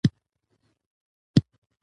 اسمان نن بیخي ور یځ دی